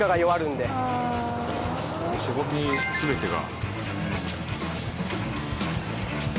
そこに全てが。